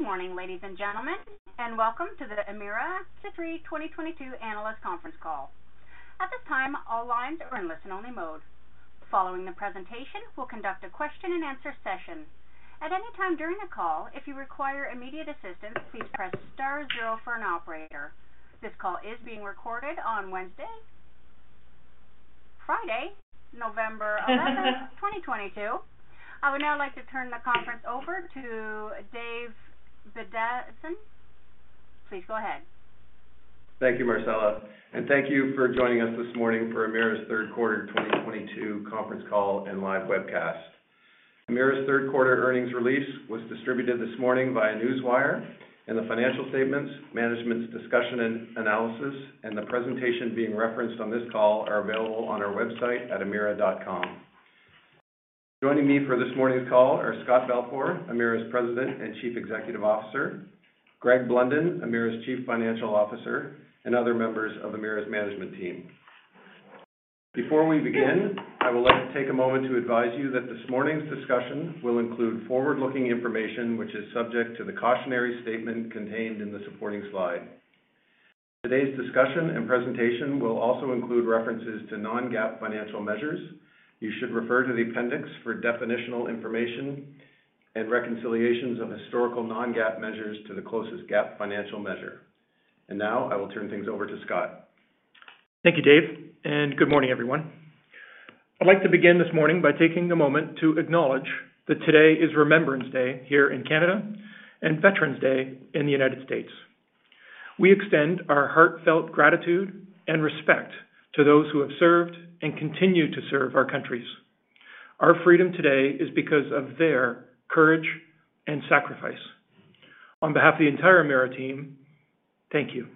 Good morning, ladies and gentlemen, and welcome to the Emera Q3 2022 Analyst Conference Call. At this time, all lines are in listen-only mode. Following the presentation, we'll conduct a question-and-answer session. At any time during the call, if you require immediate assistance, please press star zero for an operator. This call is being recorded on Friday, November 11, 2022. I would now like to turn the conference over to Dave Bezanson. Please go ahead. Thank you, Marcella, and thank you for joining us this morning for Emera's third quarter 2022 conference call and live webcast. Emera's third quarter earnings release was distributed this morning via Newswire, and the financial statements, management's discussion and analysis, and the presentation being referenced on this call are available on our website at emera.com. Joining me for this morning's call are Scott Balfour, Emera's President and Chief Executive Officer, Greg Blunden, Emera's Chief Financial Officer, and other members of Emera's management team. Before we begin, I would like to take a moment to advise you that this morning's discussion will include forward-looking information which is subject to the cautionary statement contained in the supporting slide. Today's discussion and presentation will also include references to non-GAAP financial measures. You should refer to the appendix for definitional information and reconciliations of historical non-GAAP measures to the closest GAAP financial measure. Now I will turn things over to Scott. Thank you, Dave, and good morning, everyone. I'd like to begin this morning by taking a moment to acknowledge that today is Remembrance Day here in Canada and Veterans Day in the United States. We extend our heartfelt gratitude and respect to those who have served and continue to serve our countries. Our freedom today is because of their courage and sacrifice. On behalf of the entire Emera team, thank you.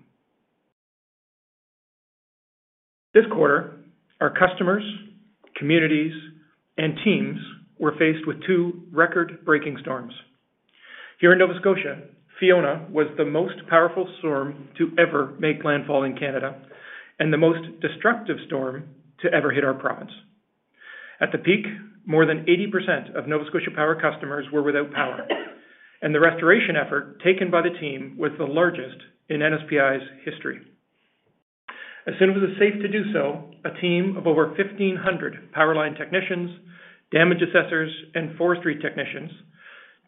This quarter, our customers, communities, and teams were faced with two record-breaking storms. Here in Nova Scotia, Fiona was the most powerful storm to ever make landfall in Canada and the most destructive storm to ever hit our province. At the peak, more than 80% of Nova Scotia Power customers were without power, and the restoration effort taken by the team was the largest in NSPI's history. As soon as it was safe to do so, a team of over 1,500 power line technicians, damage assessors, and forestry technicians,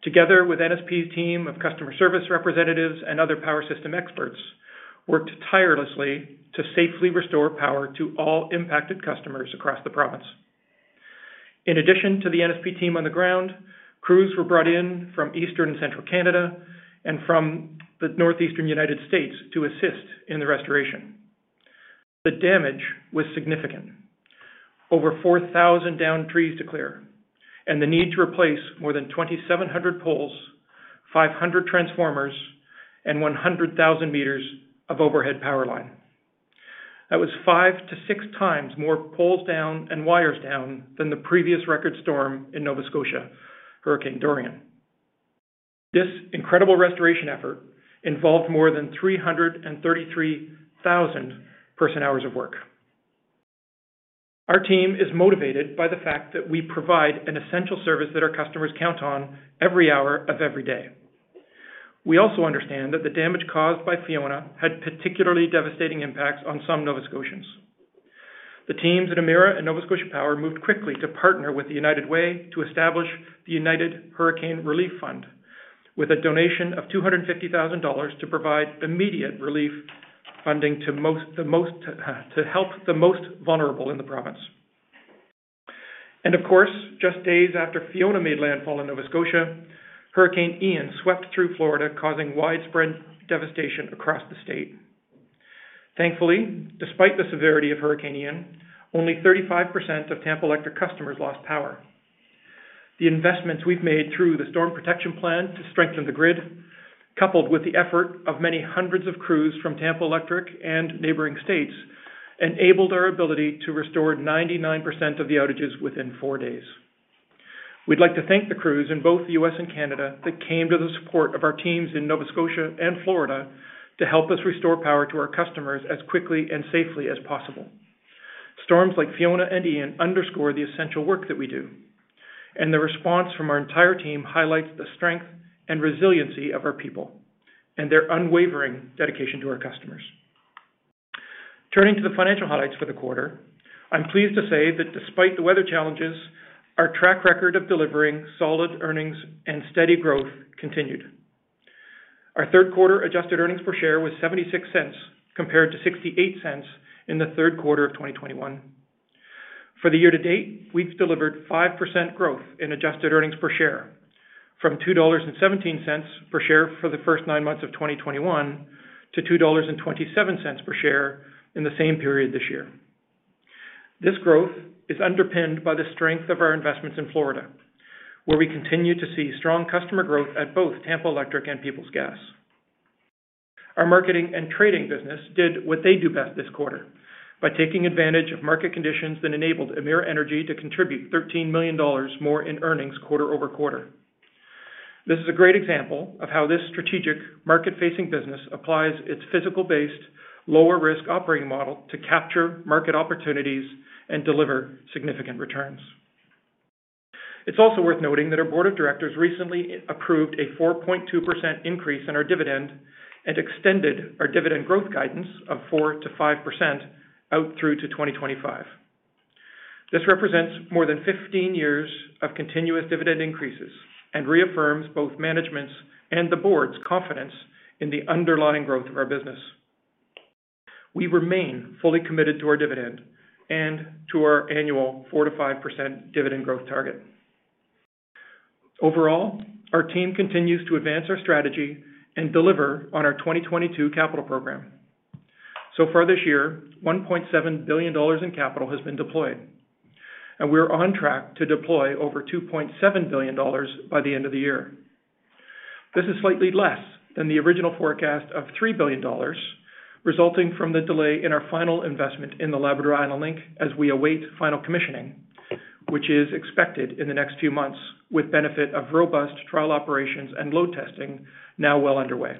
together with NSP's team of customer service representatives and other power system experts, worked tirelessly to safely restore power to all impacted customers across the province. In addition to the NSP team on the ground, crews were brought in from Eastern and Central Canada and from the Northeastern United States to assist in the restoration. The damage was significant. Over 4,000 downed trees to clear and the need to replace more than 2,700 poles, 500 transformers, and 100,000 meters of overhead power line. That was 5x-6x more poles down and wires down than the previous record storm in Nova Scotia, Hurricane Dorian. This incredible restoration effort involved more than 333,000 person hours of work. Our team is motivated by the fact that we provide an essential service that our customers count on every hour of every day. We also understand that the damage caused by Fiona had particularly devastating impacts on some Nova Scotians. The teams at Emera and Nova Scotia Power moved quickly to partner with the United Way to establish the United Hurricane Relief Fund with a donation of 250 thousand dollars to provide immediate relief funding to help the most vulnerable in the province. Of course, just days after Fiona made landfall in Nova Scotia, Hurricane Ian swept through Florida, causing widespread devastation across the state. Thankfully, despite the severity of Hurricane Ian, only 35% of Tampa Electric customers lost power. The investments we've made through the Storm Protection Plan to strengthen the grid, coupled with the effort of many hundreds of crews from Tampa Electric and neighboring states, enabled our ability to restore 99% of the outages within four days. We'd like to thank the crews in both the U.S. and Canada that came to the support of our teams in Nova Scotia and Florida to help us restore power to our customers as quickly and safely as possible. Storms like Fiona and Ian underscore the essential work that we do, and the response from our entire team highlights the strength and resiliency of our people and their unwavering dedication to our customers. Turning to the financial highlights for the quarter, I'm pleased to say that despite the weather challenges, our track record of delivering solid earnings and steady growth continued. Our third quarter adjusted earnings per share was 0.76 compared to 0.68 in the third quarter of 2021. For the year to date, we've delivered 5% growth in adjusted earnings per share from 2.17 dollars per share for the first nine months of 2021 to 2.27 dollars per share in the same period this year. This growth is underpinned by the strength of our investments in Florida, where we continue to see strong customer growth at both Tampa Electric and Peoples Gas. Our marketing and trading business did what they do best this quarter by taking advantage of market conditions that enabled Emera Energy to contribute 13 million dollars more in earnings quarter-over-quarter. This is a great example of how this strategic market-facing business applies its physical-based lower-risk operating model to capture market opportunities and deliver significant returns. It's also worth noting that our board of directors recently approved a 4.2% increase in our dividend and extended our dividend growth guidance of 4%-5% out through 2025. This represents more than 15 years of continuous dividend increases and reaffirms both management's and the board's confidence in the underlying growth of our business. We remain fully committed to our dividend and to our annual 4%-5% dividend growth target. Overall, our team continues to advance our strategy and deliver on our 2022 capital program. So far this year, 1.7 billion dollars in capital has been deployed, and we're on track to deploy over 2.7 billion dollars by the end of the year. This is slightly less than the original forecast of 3 billion dollars, resulting from the delay in our final investment in the Labrador-Island Link as we await final commissioning, which is expected in the next few months with benefit of robust trial operations and load testing now well underway.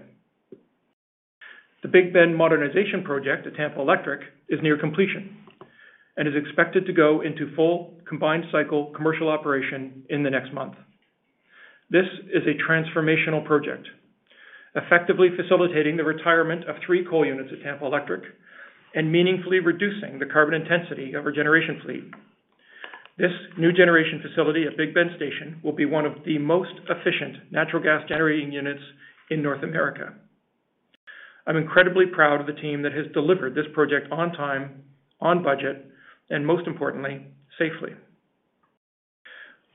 The Big Bend modernization project at Tampa Electric is near completion and is expected to go into full combined cycle commercial operation in the next month. This is a transformational project, effectively facilitating the retirement of three coal units at Tampa Electric and meaningfully reducing the carbon intensity of our generation fleet. This new generation facility at Big Bend Station will be one of the most efficient natural gas generating units in North America. I'm incredibly proud of the team that has delivered this project on time, on budget, and most importantly, safely.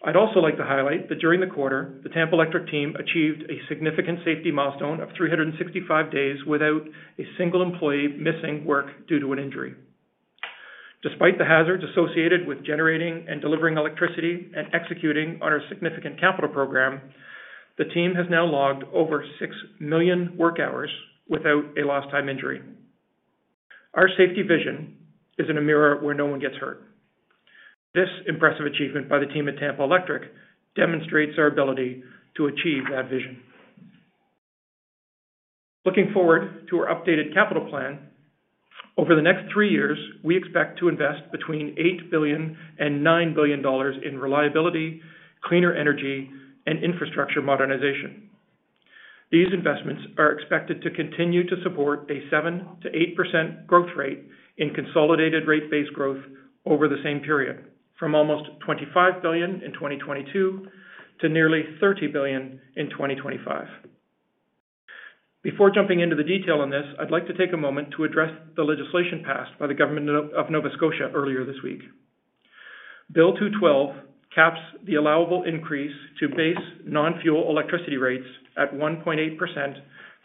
I'd also like to highlight that during the quarter, the Tampa Electric team achieved a significant safety milestone of 365 days without a single employee missing work due to an injury. Despite the hazards associated with generating and delivering electricity and executing on our significant capital program, the team has now logged over 6 million work hours without a lost time injury. Our safety vision is in a mirror where no one gets hurt. This impressive achievement by the team at Tampa Electric demonstrates our ability to achieve that vision. Looking forward to our updated capital plan, over the next three years, we expect to invest between $8 billion and $9 billion in reliability, cleaner energy, and infrastructure modernization. These investments are expected to continue to support a 7%-8% growth rate in consolidated rate-based growth over the same period, from almost 25 billion in 2022 to nearly 30 billion in 2025. Before jumping into the detail on this, I'd like to take a moment to address the legislation passed by the government of Nova Scotia earlier this week. Bill 212 caps the allowable increase to base non-fuel electricity rates at 1.8%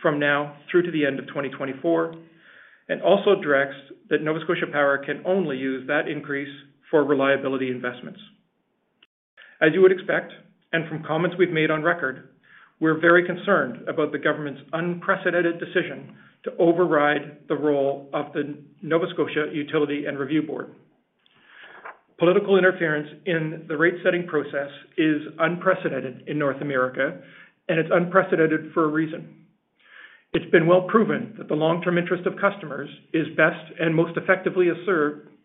from now through to the end of 2024, and also directs that Nova Scotia Power can only use that increase for reliability investments. As you would expect, and from comments we've made on record, we're very concerned about the government's unprecedented decision to override the role of the Nova Scotia Utility and Review Board. Political interference in the rate-setting process is unprecedented in North America, and it's unprecedented for a reason. It's been well proven that the long-term interest of customers is best and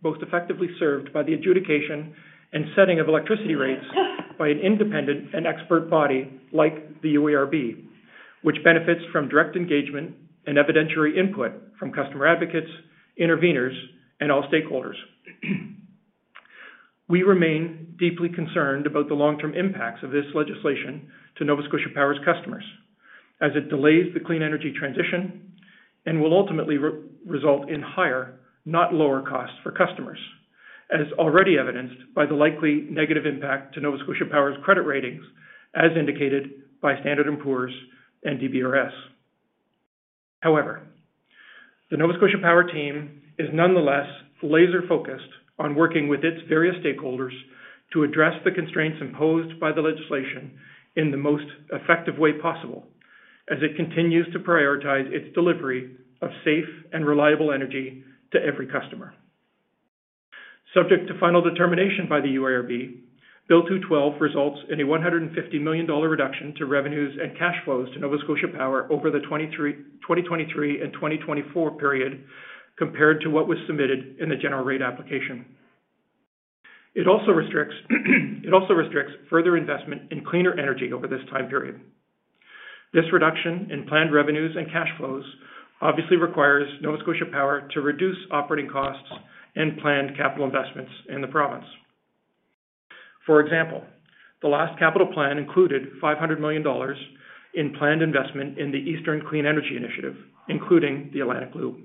most effectively served by the adjudication and setting of electricity rates by an independent and expert body like the UARB, which benefits from direct engagement and evidentiary input from customer advocates, interveners, and all stakeholders. We remain deeply concerned about the long-term impacts of this legislation to Nova Scotia Power's customers as it delays the clean energy transition and will ultimately result in higher, not lower costs for customers, as already evidenced by the likely negative impact to Nova Scotia Power's credit ratings as indicated by Standard & Poor's and DBRS. However, the Nova Scotia Power team is nonetheless laser-focused on working with its various stakeholders to address the constraints imposed by the legislation in the most effective way possible as it continues to prioritize its delivery of safe and reliable energy to every customer. Subject to final determination by the UARB, Bill 212 results in a 150 million dollar reduction to revenues and cash flows to Nova Scotia Power over the 2023 and 2024 period compared to what was submitted in the general rate application. It also restricts further investment in cleaner energy over this time period. This reduction in planned revenues and cash flows obviously requires Nova Scotia Power to reduce operating costs and planned capital investments in the province. For example, the last capital plan included 500 million dollars in planned investment in the Eastern Clean Energy Initiative, including the Atlantic Loop,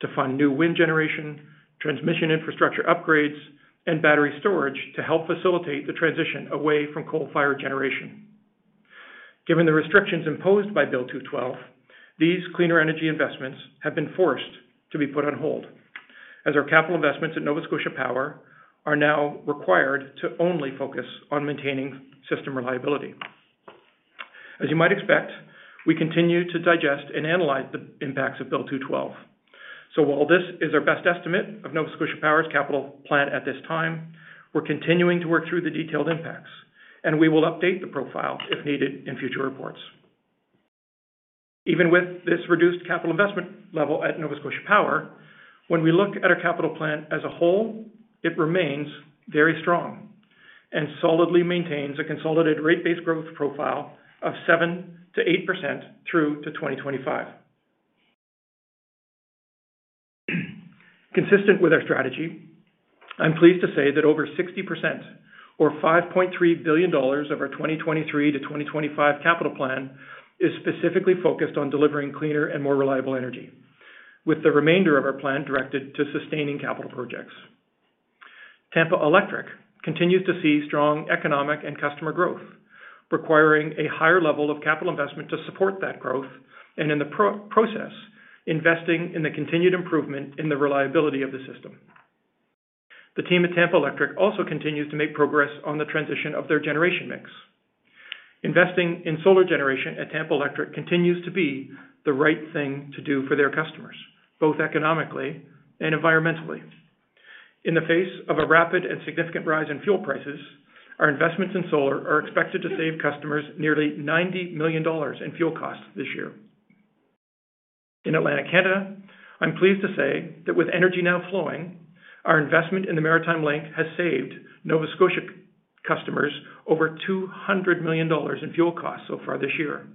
to fund new wind generation, transmission infrastructure upgrades, and battery storage to help facilitate the transition away from coal-fired generation. Given the restrictions imposed by Bill 212, these cleaner energy investments have been forced to be put on hold as our capital investments at Nova Scotia Power are now required to only focus on maintaining system reliability. As you might expect, we continue to digest and analyze the impacts of Bill 212. While this is our best estimate of Nova Scotia Power's capital plan at this time, we're continuing to work through the detailed impacts, and we will update the profile if needed in future reports. Even with this reduced capital investment level at Nova Scotia Power, when we look at our capital plan as a whole, it remains very strong and solidly maintains a consolidated rate-based growth profile of 7%-8% through 2025. Consistent with our strategy, I'm pleased to say that over 60% or 5.3 billion dollars of our 2023-2025 capital plan is specifically focused on delivering cleaner and more reliable energy, with the remainder of our plan directed to sustaining capital projects. Tampa Electric continues to see strong economic and customer growth, requiring a higher level of capital investment to support that growth and in the process, investing in the continued improvement in the reliability of the system. The team at Tampa Electric also continues to make progress on the transition of their generation mix. Investing in solar generation at Tampa Electric continues to be the right thing to do for their customers, both economically and environmentally. In the face of a rapid and significant rise in fuel prices, our investments in solar are expected to save customers nearly $90 million in fuel costs this year. In Atlantic Canada, I'm pleased to say that with energy now flowing, our investment in the Maritime Link has saved Nova Scotia customers over 200 million dollars in fuel costs so far this year.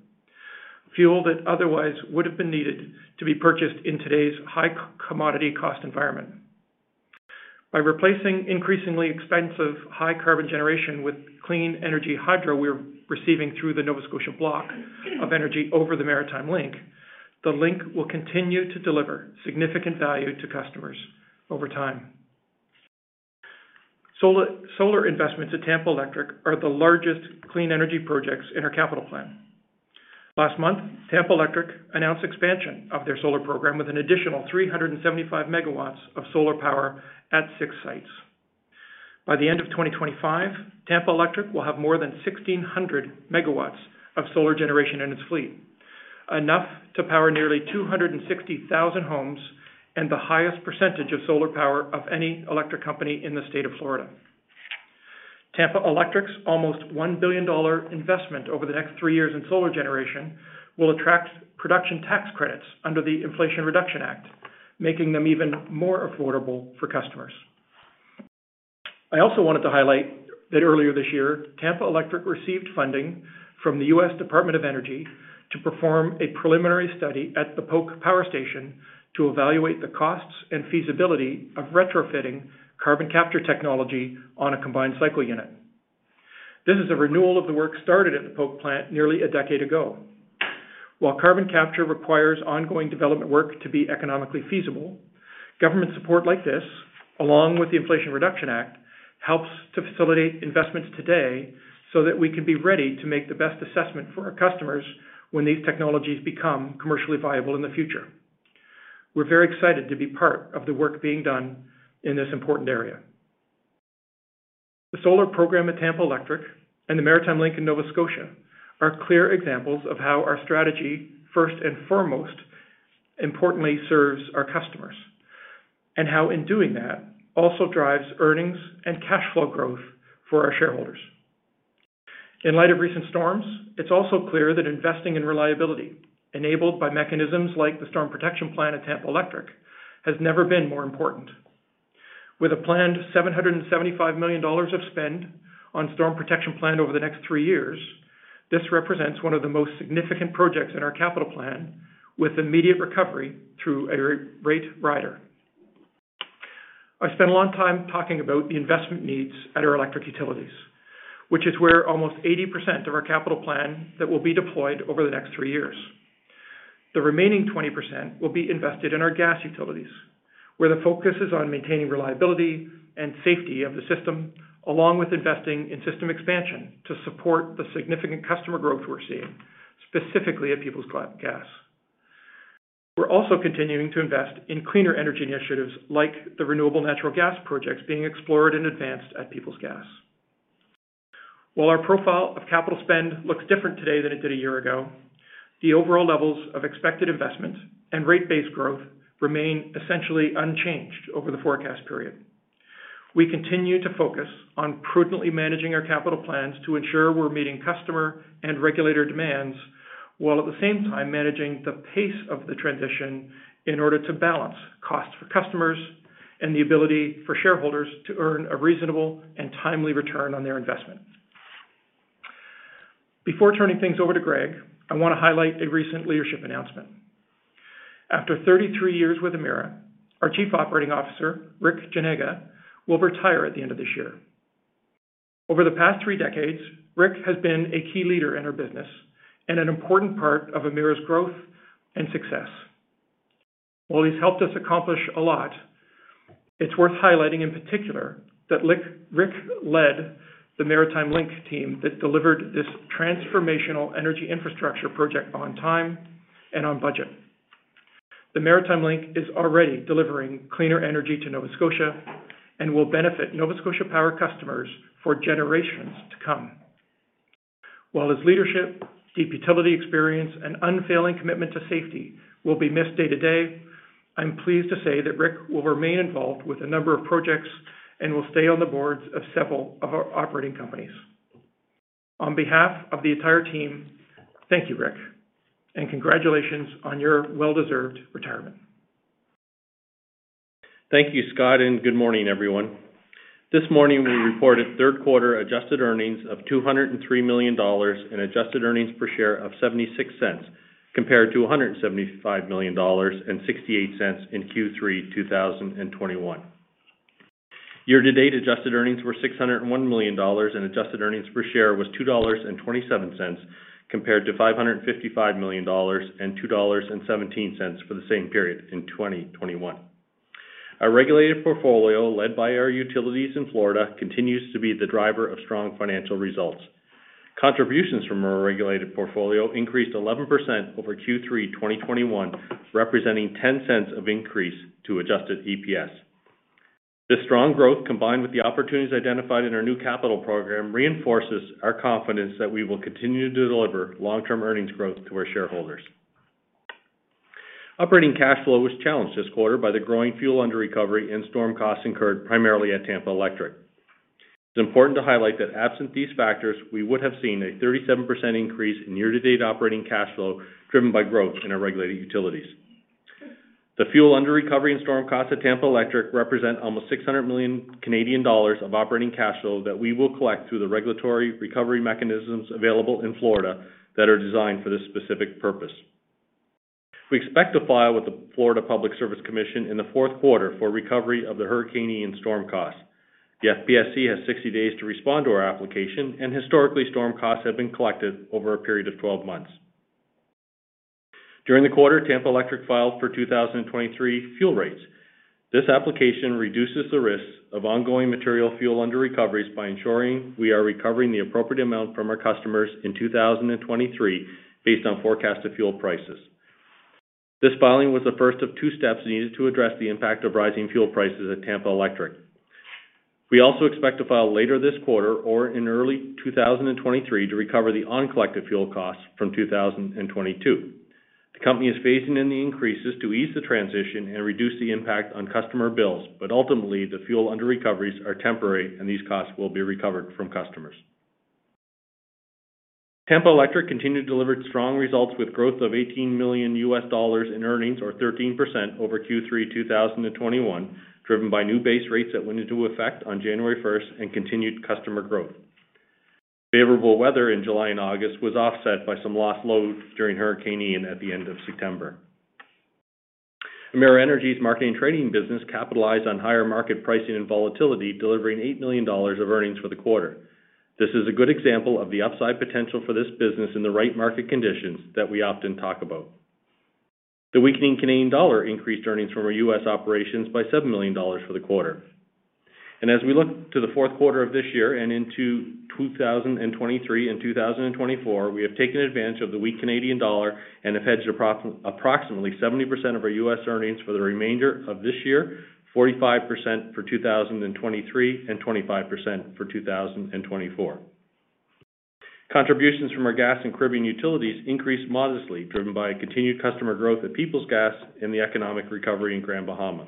Fuel that otherwise would have been needed to be purchased in today's high commodity cost environment. By replacing increasingly expensive high carbon generation with clean energy hydro we're receiving through the Nova Scotia Block of energy over the Maritime Link. The Link will continue to deliver significant value to customers over time. Solar investments at Tampa Electric are the largest clean energy projects in our capital plan. Last month, Tampa Electric announced expansion of their solar program with an additional 375 megawatts of solar power at six sites. By the end of 2025, Tampa Electric will have more than 1,600 megawatts of solar generation in its fleet, enough to power nearly 260,000 homes and the highest percentage of solar power of any electric company in the state of Florida. Tampa Electric's almost $1 billion investment over the next three years in solar generation will attract production tax credits under the Inflation Reduction Act, making them even more affordable for customers. I also wanted to highlight that earlier this year, Tampa Electric received funding from the U.S. Department of Energy to perform a preliminary study at the Polk Power Station to evaluate the costs and feasibility of retrofitting carbon capture technology on a combined cycle unit. This is a renewal of the work started at the Polk plant nearly a decade ago. While carbon capture requires ongoing development work to be economically feasible, government support like this, along with the Inflation Reduction Act, helps to facilitate investments today so that we can be ready to make the best assessment for our customers when these technologies become commercially viable in the future. We're very excited to be part of the work being done in this important area. The solar program at Tampa Electric and the Maritime Link in Nova Scotia are clear examples of how our strategy, first and foremost, importantly serves our customers. How in doing that, also drives earnings and cash flow growth for our shareholders. In light of recent storms, it's also clear that investing in reliability enabled by mechanisms like the Storm Protection Plan at Tampa Electric has never been more important. With a planned $775 million of spend on Storm Protection Plan over the next three years, this represents one of the most significant projects in our capital plan with immediate recovery through a rate rider. I spent a long time talking about the investment needs at our electric utilities, which is where almost 80% of our capital plan that will be deployed over the next three years. The remaining 20% will be invested in our gas utilities, where the focus is on maintaining reliability and safety of the system, along with investing in system expansion to support the significant customer growth we're seeing, specifically at Peoples Gas. We're also continuing to invest in cleaner energy initiatives like the renewable natural gas projects being explored and advanced at Peoples Gas. While our profile of capital spend looks different today than it did a year ago, the overall levels of expected investment and rate-based growth remain essentially unchanged over the forecast period. We continue to focus on prudently managing our capital plans to ensure we're meeting customer and regulator demands, while at the same time, managing the pace of the transition in order to balance costs for customers and the ability for shareholders to earn a reasonable and timely return on their investment. Before turning things over to Greg, I want to highlight a recent leadership announcement. After 33 years with Emera, our Chief Operating Officer, Rick Janega, will retire at the end of this year. Over the past three decades, Rick has been a key leader in our business and an important part of Emera's growth and success. While he's helped us accomplish a lot, it's worth highlighting in particular that Rick led the Maritime Link team that delivered this transformational energy infrastructure project on time and on budget. The Maritime Link is already delivering cleaner energy to Nova Scotia and will benefit Nova Scotia Power customers for generations to come. While his leadership, deep utility experience and unfailing commitment to safety will be missed day to day, I'm pleased to say that Rick will remain involved with a number of projects and will stay on the boards of several of our operating companies. On behalf of the entire team, thank you, Rick, and congratulations on your well-deserved retirement. Thank you, Scott, and good morning, everyone. This morning we reported third-quarter adjusted earnings of 203 million dollars and adjusted earnings per share of 0.76 compared to 175 million dollars and 0.68 in Q3 2021. Year-to-date adjusted earnings were 601 million dollars and adjusted earnings per share was 2.27 dollars compared to 555 million dollars and 2.17 dollars for the same period in 2021. Our regulated portfolio, led by our utilities in Florida, continues to be the driver of strong financial results. Contributions from our regulated portfolio increased 11% over Q3 2021, representing 0.10 of increase to adjusted EPS. This strong growth, combined with the opportunities identified in our new capital program, reinforces our confidence that we will continue to deliver long-term earnings growth to our shareholders. Operating cash flow was challenged this quarter by the growing fuel under recovery and storm costs incurred primarily at Tampa Electric. It's important to highlight that absent these factors, we would have seen a 37% increase in year-to-date operating cash flow driven by growth in our regulated utilities. The fuel under recovery and storm costs at Tampa Electric represent almost 600 million Canadian dollars of operating cash flow that we will collect through the regulatory recovery mechanisms available in Florida that are designed for this specific purpose. We expect to file with the Florida Public Service Commission in the fourth quarter for recovery of the Hurricane Ian storm costs. The FPSC has 60 days to respond to our application, and historically, storm costs have been collected over a period of 12 months. During the quarter, Tampa Electric filed for 2023 fuel rates. This application reduces the risks of ongoing material fuel under recoveries by ensuring we are recovering the appropriate amount from our customers in 2023 based on forecasted fuel prices. This filing was the first of two steps needed to address the impact of rising fuel prices at Tampa Electric. We also expect to file later this quarter or in early 2023 to recover the uncollected fuel costs from 2022. The company is phasing in the increases to ease the transition and reduce the impact on customer bills, but ultimately, the fuel under recoveries are temporary and these costs will be recovered from customers. Tampa Electric continued to deliver strong results with growth of $18 million in earnings or 13% over Q3 2021, driven by new base rates that went into effect on January first and continued customer growth. Favorable weather in July and August was offset by some lost load during Hurricane Ian at the end of September. Emera Energy's marketing trading business capitalized on higher market pricing and volatility, delivering 8 million dollars of earnings for the quarter. This is a good example of the upside potential for this business in the right market conditions that we often talk about. The weakening Canadian dollar increased earnings from our U.S. operations by 7 million dollars for the quarter. As we look to the fourth quarter of this year and into 2023 and 2024, we have taken advantage of the weak Canadian dollar and have hedged approximately 70% of our U.S. earnings for the remainder of this year, 45% for 2023, and 25% for 2024. Contributions from our gas and Caribbean utilities increased modestly, driven by continued customer growth at Peoples Gas and the economic recovery in Grand Bahama.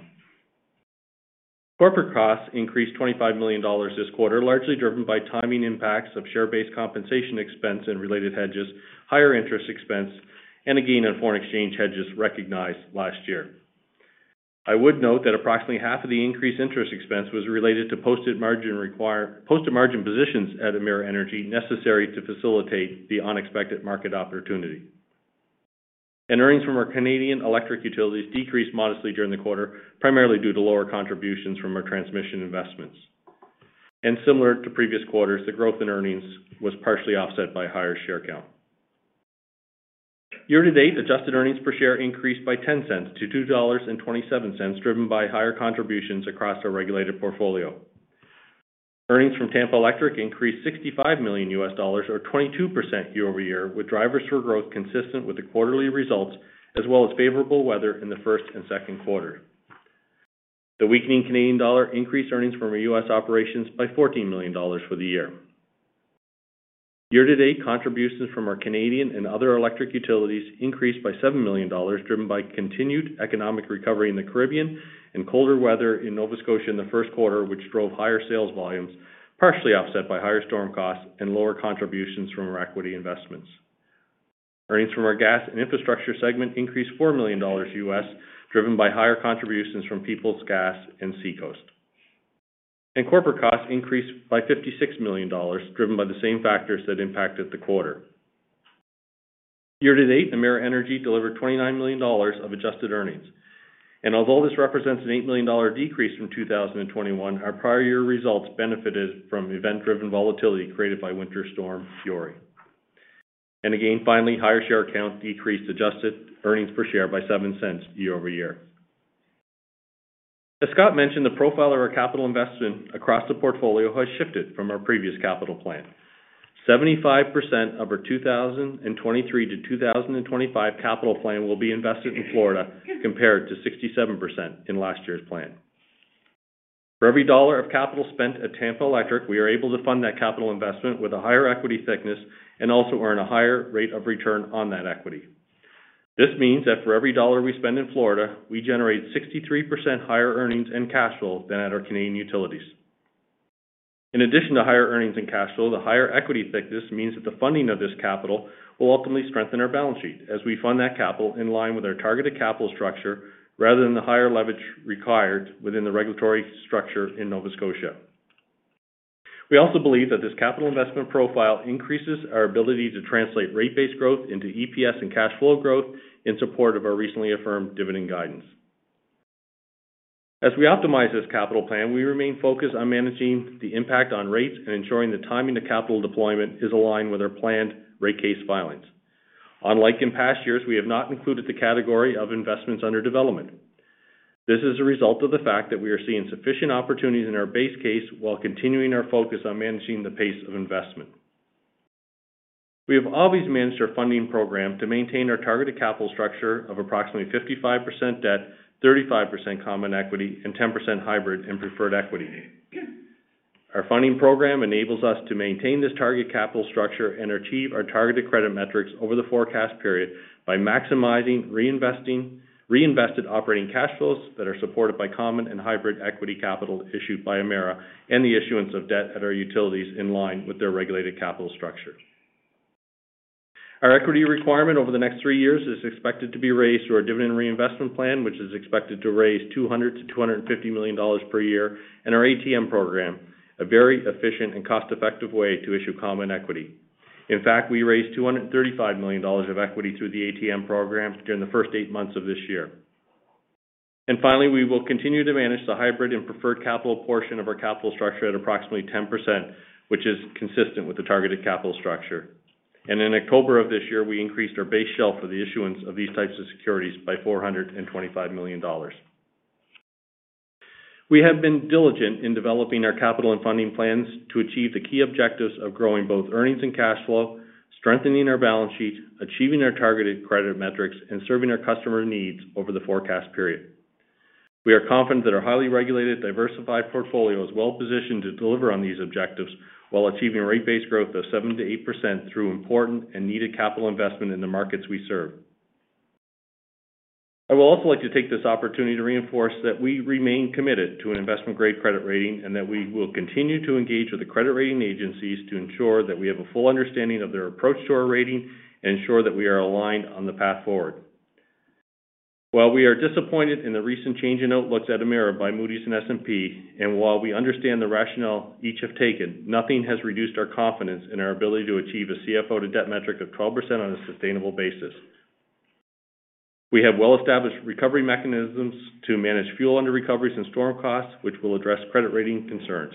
Corporate costs increased 25 million dollars this quarter, largely driven by timing impacts of share-based compensation expense and related hedges, higher interest expense, and a gain in foreign exchange hedges recognized last year. I would note that approximately half of the increased interest expense was related to posted margin positions at Emera Energy necessary to facilitate the unexpected market opportunity. Earnings from our Canadian electric utilities decreased modestly during the quarter, primarily due to lower contributions from our transmission investments. Similar to previous quarters, the growth in earnings was partially offset by higher share count. Year-to-date, adjusted earnings per share increased by 0.10 to 2.27 dollars, driven by higher contributions across our regulated portfolio. Earnings from Tampa Electric increased $65 million or 22% year-over-year, with drivers for growth consistent with the quarterly results, as well as favorable weather in the first and second quarter. The weakening Canadian dollar increased earnings from our U.S. operations by 14 million dollars for the year. Year-to-date contributions from our Canadian and other electric utilities increased by 7 million dollars, driven by continued economic recovery in the Caribbean and colder weather in Nova Scotia in the first quarter, which drove higher sales volumes, partially offset by higher storm costs and lower contributions from our equity investments. Earnings from our gas and infrastructure segment increased $4 million, driven by higher contributions from Peoples Gas and SeaCoast. Corporate costs increased by 56 million dollars, driven by the same factors that impacted the quarter. Year-to-date, Emera Energy delivered 29 million dollars of adjusted earnings. Although this represents a 8 million dollar decrease from 2021, our prior year results benefited from event-driven volatility created by Winter Storm Uri. Again, finally, higher share count decreased adjusted earnings per share by 0.07 year-over-year. As Scott mentioned, the profile of our capital investment across the portfolio has shifted from our previous capital plan. 75% of our 2023-2025 capital plan will be invested in Florida compared to 67% in last year's plan. For every dollar of capital spent at Tampa Electric, we are able to fund that capital investment with a higher equity thickness and also earn a higher rate of return on that equity. This means that for every dollar we spend in Florida, we generate 63% higher earnings and cash flow than at our Canadian utilities. In addition to higher earnings and cash flow, the higher equity thickness means that the funding of this capital will ultimately strengthen our balance sheet as we fund that capital in line with our targeted capital structure rather than the higher leverage required within the regulatory structure in Nova Scotia. We also believe that this capital investment profile increases our ability to translate rate-based growth into EPS and cash flow growth in support of our recently affirmed dividend guidance. As we optimize this capital plan, we remain focused on managing the impact on rates and ensuring the timing to capital deployment is aligned with our planned rate case filings. Unlike in past years, we have not included the category of investments under development. This is a result of the fact that we are seeing sufficient opportunities in our base case while continuing our focus on managing the pace of investment. We have always managed our funding program to maintain our targeted capital structure of approximately 55% debt, 35% common equity and 10% hybrid and preferred equity. Our funding program enables us to maintain this target capital structure and achieve our targeted credit metrics over the forecast period by maximizing reinvested operating cash flows that are supported by common and hybrid equity capital issued by Emera and the issuance of debt at our utilities in line with their regulated capital structure. Our equity requirement over the next three years is expected to be raised through our dividend reinvestment plan, which is expected to raise 200 million-250 million dollars per year in our ATM program, a very efficient and cost-effective way to issue common equity. In fact, we raised 235 million dollars of equity through the ATM program during the first eight months of this year. Finally, we will continue to manage the hybrid and preferred capital portion of our capital structure at approximately 10%, which is consistent with the targeted capital structure. In October of this year, we increased our base shelf for the issuance of these types of securities by 425 million dollars. We have been diligent in developing our capital and funding plans to achieve the key objectives of growing both earnings and cash flow, strengthening our balance sheet, achieving our targeted credit metrics, and serving our customer needs over the forecast period. We are confident that our highly regulated, diversified portfolio is well-positioned to deliver on these objectives while achieving rate-based growth of 7%-8% through important and needed capital investment in the markets we serve. I would also like to take this opportunity to reinforce that we remain committed to an investment-grade credit rating, and that we will continue to engage with the credit rating agencies to ensure that we have a full understanding of their approach to our rating and ensure that we are aligned on the path forward. While we are disappointed in the recent change in outlooks at Emera by Moody's and S&P, and while we understand the rationale each have taken, nothing has reduced our confidence in our ability to achieve a CFO to debt metric of 12% on a sustainable basis. We have well-established recovery mechanisms to manage fuel underrecoveries and storm costs, which will address credit rating concerns.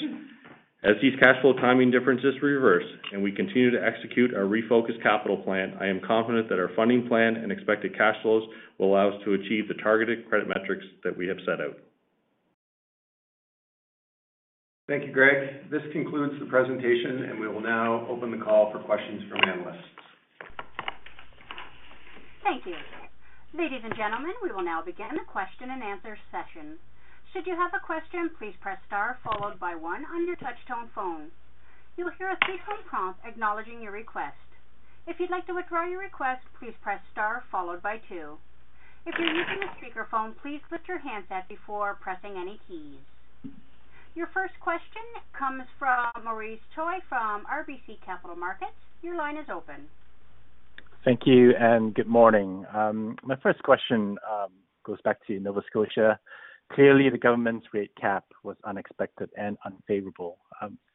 As these cash flow timing differences reverse and we continue to execute our refocused capital plan, I am confident that our funding plan and expected cash flows will allow us to achieve the targeted credit metrics that we have set out. Thank you, Greg. This concludes the presentation, and we will now open the call for questions from analysts. Thank you. Ladies and gentlemen, we will now begin the question-and-answer session. Should you have a question, please press star followed by one on your touch-tone phone. You will hear a system prompt acknowledging your request. If you'd like to withdraw your request, please press star followed by two. If you're using a speakerphone, please lift your handset before pressing any keys. Your first question comes from Maurice Choy from RBC Capital Markets. Your line is open. Thank you and good morning. My first question goes back to Nova Scotia. Clearly, the government's rate cap was unexpected and unfavorable.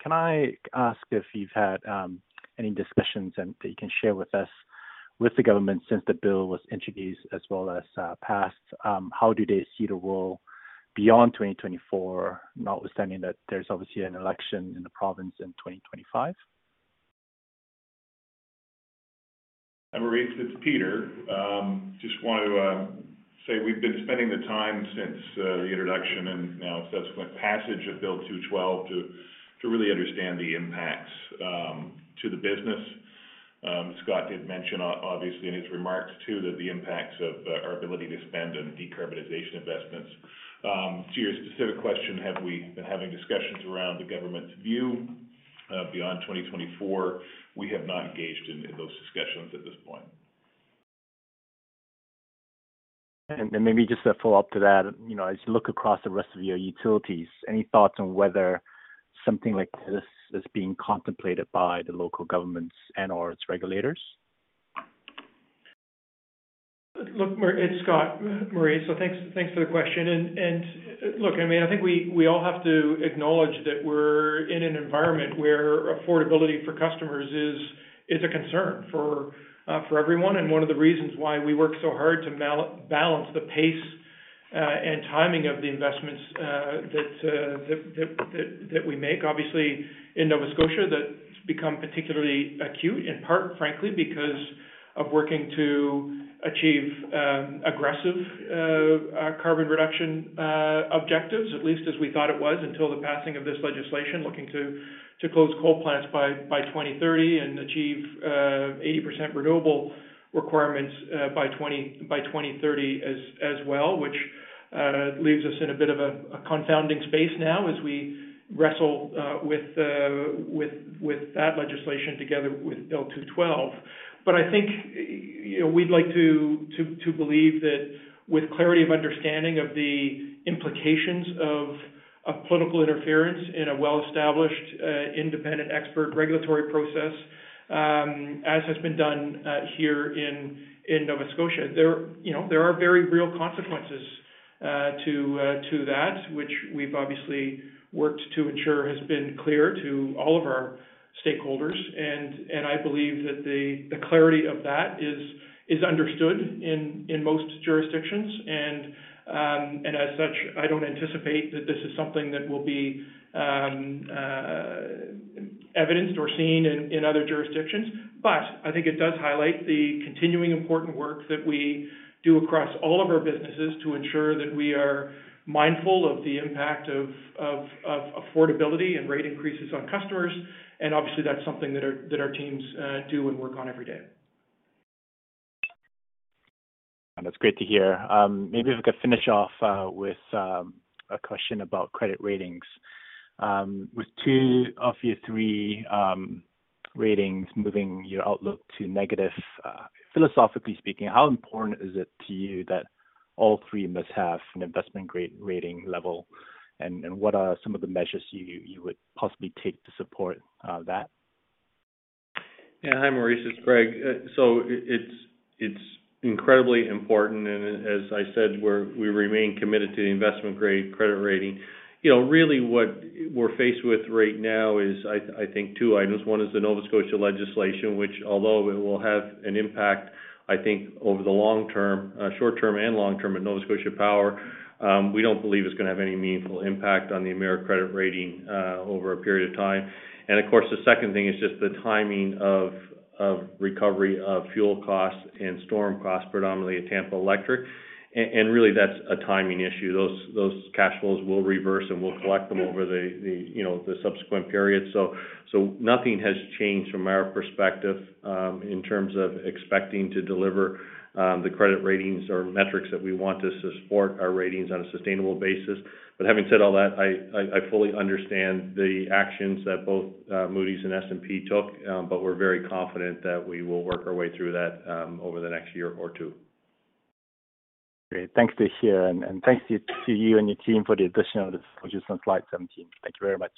Can I ask if you've had any discussions and that you can share with us with the government since the bill was introduced as well as passed? How do they see the role beyond 2024, notwithstanding that there's obviously an election in the province in 2025? Maurice, it's Peter. Just wanted to say we've been spending the time since the introduction and now subsequent passage of Bill 212 to really understand the impacts to the business. Scott did mention obviously in his remarks too, that the impacts of our ability to spend on decarbonization investments. To your specific question, have we been having discussions around the government's view beyond 2024? We have not engaged in those discussions at this point. Maybe just a follow-up to that. You know, as you look across the rest of your utilities, any thoughts on whether something like this is being contemplated by the local governments and/or its regulators? It's Scott, Maurice. Thanks for the question. Look, I mean, I think we all have to acknowledge that we're in an environment where affordability for customers is a concern for everyone. One of the reasons why we work so hard to balance the pace and timing of the investments that we make, obviously in Nova Scotia, that's become particularly acute, in part, frankly, because of working to achieve aggressive carbon reduction objectives, at least as we thought it was until the passing of this legislation, looking to close coal plants by 2030 and achieve 80% renewable requirements by 2030 as well, which leaves us in a bit of a confounding space now as we wrestle with that legislation together with Bill 212. I think, you know, we'd like to believe that with clarity of understanding of the implications of political interference in a well-established independent expert regulatory process, as has been done here in Nova Scotia. There, you know, there are very real consequences to that, which we've obviously worked to ensure has been clear to all of our stakeholders. I believe that the clarity of that is understood in most jurisdictions. As such, I don't anticipate that this is something that will be evidenced or seen in other jurisdictions. I think it does highlight the continuing important work that we do across all of our businesses to ensure that we are mindful of the impact of affordability and rate increases on customers. Obviously, that's something that our teams do and work on every day. That's great to hear. Maybe if we could finish off with a question about credit ratings. With two of your three ratings moving your outlook to negative, philosophically speaking, how important is it to you that all three must have an investment-grade rating level? What are some of the measures you would possibly take to support that? Yeah. Hi, Maurice, it's Greg. So it's incredibly important. As I said, we remain committed to the investment-grade credit rating. You know, really what we're faced with right now is, I think two items. One is the Nova Scotia legislation, which although it will have an impact, I think, over the long term, short term and long term at Nova Scotia Power, we don't believe it's gonna have any meaningful impact on the Emera credit rating, over a period of time. Of course, the second thing is just the timing of recovery of fuel costs and storm costs, predominantly at Tampa Electric. And really, that's a timing issue. Those cash flows will reverse, and we'll collect them over the subsequent periods. Nothing has changed from our perspective in terms of expecting to deliver the credit ratings or metrics that we want to support our ratings on a sustainable basis. Having said all that, I fully understand the actions that both Moody's and S&P took. We're very confident that we will work our way through that over the next year or two. Great. Good to hear, and thanks to you and your team for the additional disclosure on slide 17. Thank you very much.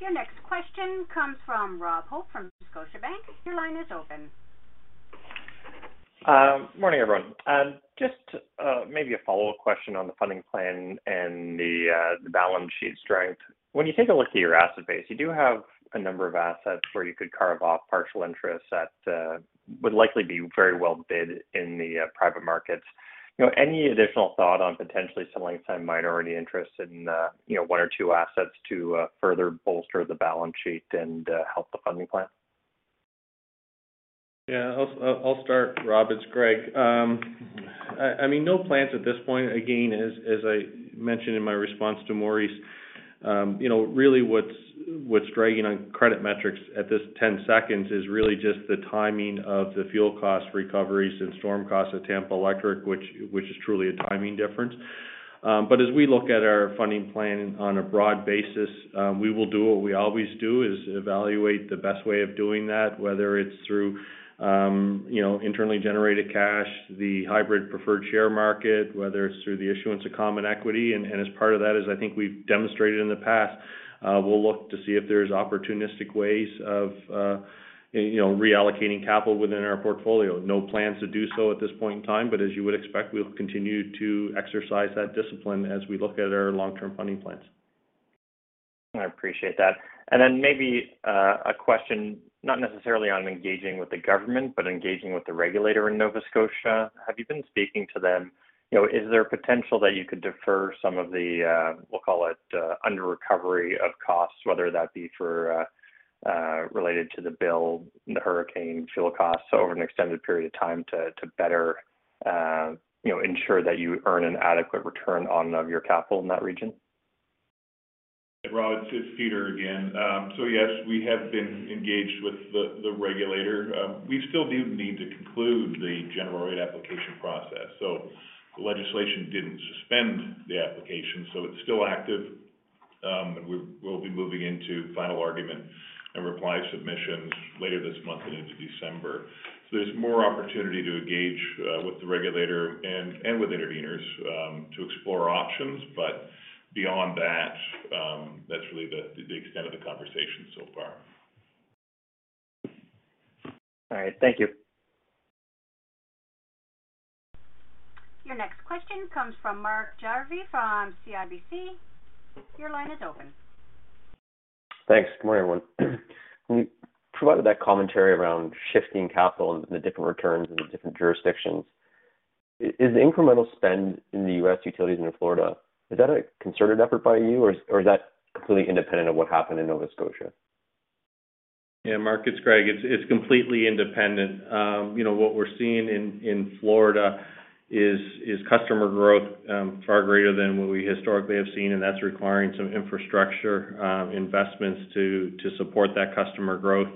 Your next question comes from Robert Hope from Scotiabank. Your line is open. Morning, everyone. Just maybe a follow-up question on the funding plan and the balance sheet strength. When you take a look at your asset base, you do have a number of assets where you could carve off partial interests that would likely be very well bid in the private markets. You know, any additional thought on potentially selling some minority interests in you know, one or two assets to further bolster the balance sheet and help the funding plan? Yeah. I'll start, Rob, it's Greg. I mean, no plans at this point. Again, as I mentioned in my response to Maurice, you know, really what's dragging on credit metrics at this time is really just the timing of the fuel cost recoveries and storm costs at Tampa Electric, which is truly a timing difference. As we look at our funding plan on a broad basis, we will do what we always do, is evaluate the best way of doing that, whether it's through, you know, internally generated cash, the hybrid preferred share market, whether it's through the issuance of common equity. As part of that, as I think we've demonstrated in the past, we'll look to see if there's opportunistic ways of, you know, reallocating capital within our portfolio. No plans to do so at this point in time, but as you would expect, we'll continue to exercise that discipline as we look at our long-term funding plans. I appreciate that. Maybe a question not necessarily on engaging with the government, but engaging with the regulator in Nova Scotia. Have you been speaking to them? You know, is there potential that you could defer some of the, we'll call it, under recovery of costs, whether that be for related to the bill, the hurricane fuel costs over an extended period of time to better, you know, ensure that you earn an adequate return on your capital in that region? Rob, it's Peter again. Yes, we have been engaged with the regulator. We still do need to conclude the general rate application process. The legislation didn't suspend the application, so it's still active. We'll be moving into final argument and reply submissions later this month and into December. There's more opportunity to engage with the regulator and with interveners to explore options. Beyond that's really the extent of the conversation so far. All right. Thank you. Your next question comes from Mark Jarvi from CIBC. Your line is open. Thanks. Good morning, everyone. You provided that commentary around shifting capital and the different returns in the different jurisdictions. Is the incremental spend in the U.S. utilities and in Florida a concerted effort by you, or is that completely independent of what happened in Nova Scotia? Yeah, Mark, it's Greg. It's completely independent. You know, what we're seeing in Florida is customer growth far greater than what we historically have seen, and that's requiring some infrastructure investments to support that customer growth.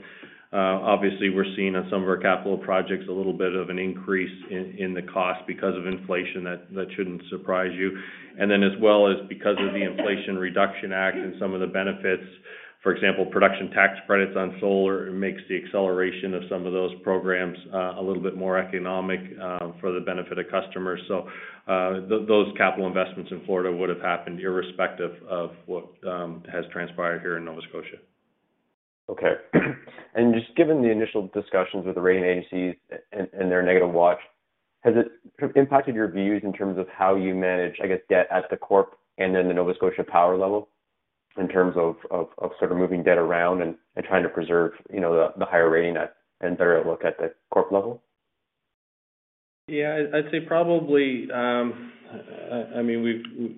Obviously, we're seeing on some of our capital projects a little bit of an increase in the cost because of inflation. That shouldn't surprise you. Then as well as because of the Inflation Reduction Act and some of the benefits. For example, production tax credits on solar makes the acceleration of some of those programs a little bit more economic for the benefit of customers. Those capital investments in Florida would have happened irrespective of what has transpired here in Nova Scotia. Okay. Just given the initial discussions with the rating agencies and their negative watch, has it impacted your views in terms of how you manage, I guess, debt at the corp and then the Nova Scotia Power level in terms of sort of moving debt around and trying to preserve, you know, the higher rating at Emera at the corp level? Yeah, I'd say probably. I mean,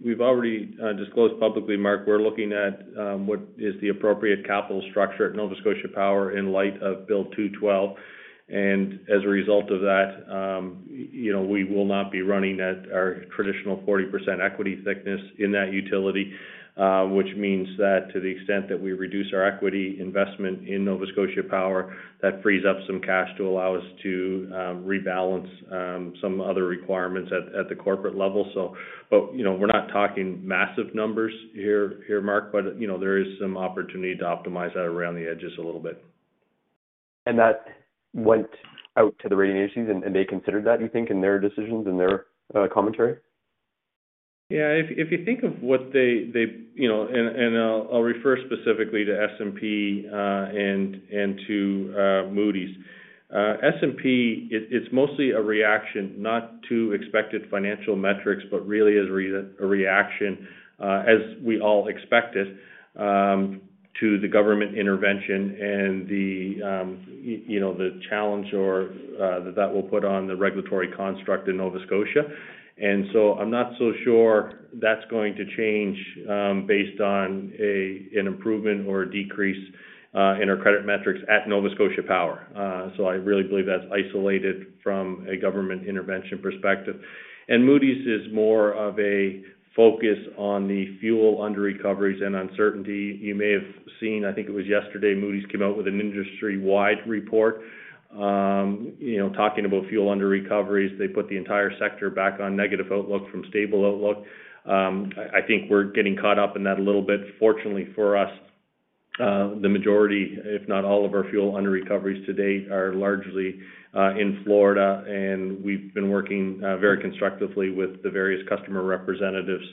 we've already disclosed publicly, Mark, we're looking at what is the appropriate capital structure at Nova Scotia Power in light of Bill 212. As a result of that, you know, we will not be running at our traditional 40% equity thickness in that utility, which means that to the extent that we reduce our equity investment in Nova Scotia Power, that frees up some cash to allow us to rebalance some other requirements at the corporate level. You know, we're not talking massive numbers here, Mark, but you know, there is some opportunity to optimize that around the edges a little bit. That went out to the rating agencies and they considered that, you think, in their decisions and their commentary? Yeah. If you think of what they you know and I'll refer specifically to S&P and to Moody's. S&P it's mostly a reaction, not to expected financial metrics, but really is a reaction as we all expect it to the government intervention and the you know the challenge or that that will put on the regulatory construct in Nova Scotia. I'm not so sure that's going to change based on an improvement or a decrease in our credit metrics at Nova Scotia Power. So I really believe that's isolated from a government intervention perspective. Moody's is more of a focus on the fuel underrecoveries and uncertainty. You may have seen, I think it was yesterday, Moody's came out with an industry-wide report you know talking about fuel underrecoveries. They put the entire sector back on negative outlook from stable outlook. I think we're getting caught up in that a little bit. Fortunately for us, the majority, if not all of our fuel underrecoveries to date are largely in Florida, and we've been working very constructively with the various customer representatives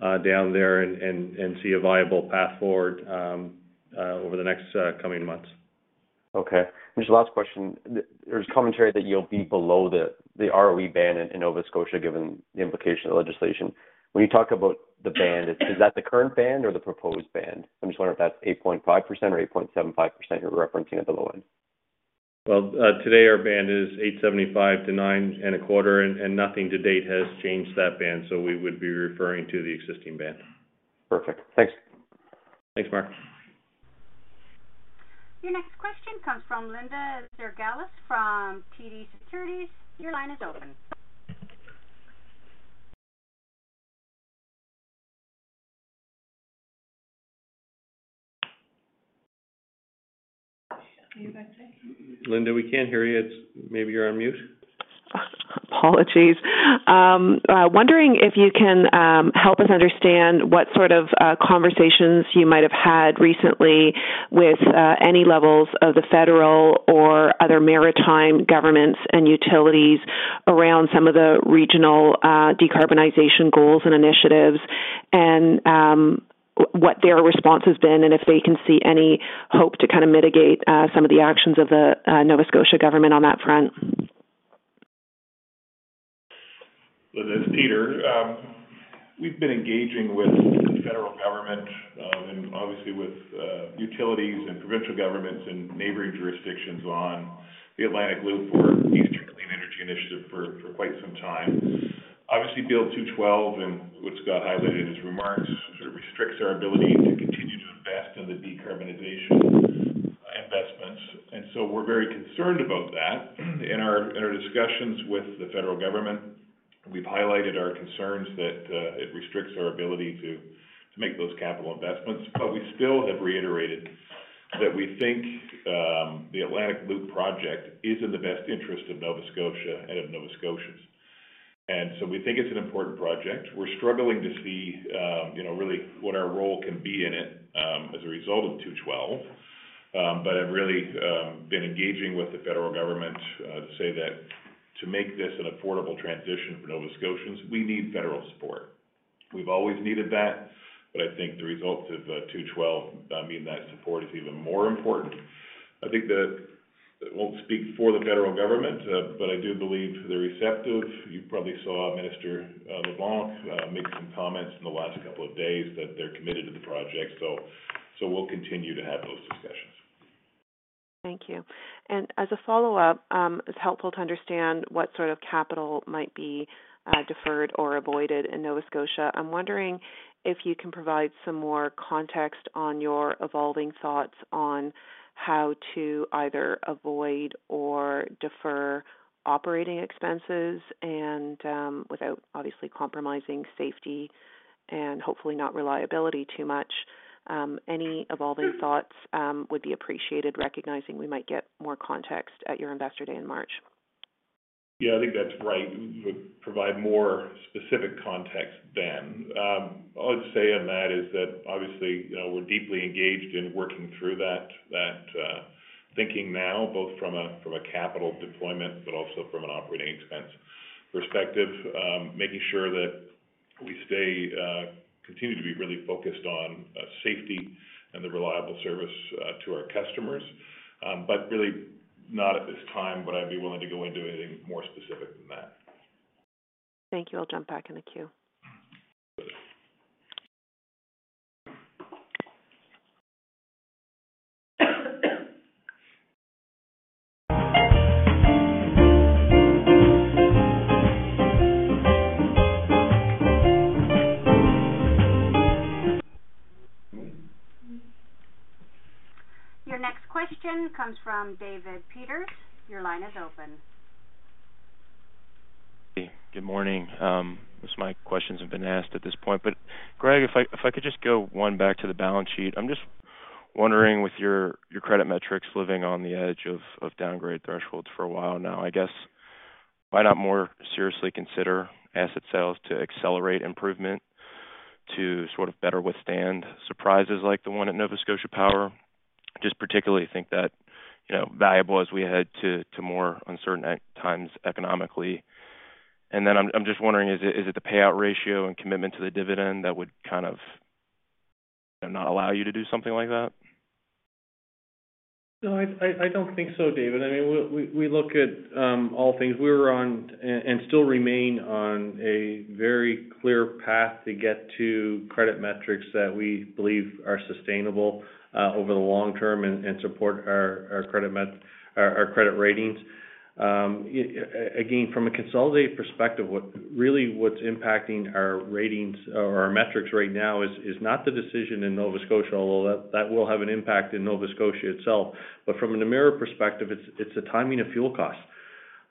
down there and see a viable path forward over the next coming months. Okay. Just last question. There's commentary that you'll be below the ROE band in Nova Scotia, given the implication of the legislation. When you talk about the band, is that the current band or the proposed band? I'm just wondering if that's 8.5% or 8.75% you're referencing at the low end. Well, today our band is 8.75%-9.25% and nothing to date has changed that band, so we would be referring to the existing band. Perfect. Thanks. Thanks, Mark. Your next question comes from Linda Ezergailis from TD Securities. Your line is open. Linda, we can't hear you. It's maybe you're on mute. Apologies. Wondering if you can help us understand what sort of conversations you might have had recently with any levels of the federal or other Maritime governments and utilities around some of the regional decarbonization goals and initiatives and what their response has been and if they can see any hope to kind of mitigate some of the actions of the Nova Scotia government on that front? Linda, it's Peter. We've been engaging with the federal government and obviously with utilities and provincial governments and neighboring jurisdictions on the Atlantic Loop or Eastern Clean Energy Initiative for quite some time. Obviously, Bill 212 and what Scott highlighted in his remarks sort of restricts our ability to continue to invest in the decarbonization investments. We're very concerned about that. In our discussions with the federal government, we've highlighted our concerns that it restricts our ability to make those capital investments. We still have reiterated that we think the Atlantic Loop project is in the best interest of Nova Scotia and of Nova Scotians. We think it's an important project. We're struggling to see you know, really what our role can be in it as a result of Bill 212. I've really been engaging with the federal government to say that to make this an affordable transition for Nova Scotians, we need federal support. We've always needed that, but I think the results of Bill 212, I mean, that support is even more important. I think that I won't speak for the federal government, but I do believe they're receptive. You probably saw Minister LeBlanc make some comments in the last couple of days that they're committed to the project. We'll continue to have those discussions. Thank you. As a follow-up, it's helpful to understand what sort of capital might be deferred or avoided in Nova Scotia. I'm wondering if you can provide some more context on your evolving thoughts on how to either avoid or defer operating expenses and, without obviously compromising safety and hopefully not reliability too much. Any evolving thoughts would be appreciated, recognizing we might get more context at your Investor Day in March. Yeah, I think that's right. We would provide more specific context then. All I'd say on that is that obviously, you know, we're deeply engaged in working through that thinking now, both from a capital deployment, but also from an operating expense perspective, making sure that we continue to be really focused on safety and the reliable service to our customers. But really not at this time would I be willing to go into anything more specific than that. Thank you. I'll jump back in the queue. Your next question comes from David Peters. Your line is open. Good morning. I guess my questions have been asked at this point. Greg, if I could just go one back to the balance sheet. I'm just wondering with your credit metrics living on the edge of downgrade thresholds for a while now. I guess, why not more seriously consider asset sales to accelerate improvement to sort of better withstand surprises like the one at Nova Scotia Power? Just particularly think that, you know, valuable as we head to more uncertain times economically. Then I'm just wondering, is it the payout ratio and commitment to the dividend that would kind of not allow you to do something like that? No, I don't think so, David. I mean, we look at all things. We were on and still remain on a very clear path to get to credit metrics that we believe are sustainable over the long term and support our credit ratings. Yeah, again, from a consolidated perspective, really what's impacting our ratings or our metrics right now is not the decision in Nova Scotia, although that will have an impact in Nova Scotia itself. From an Emera perspective, it's the timing of fuel costs.